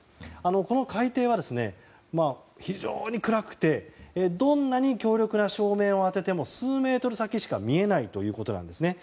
この海底は、非常に暗くてどんなに強力な照明を当てても数メートル先しか見えないということなんです。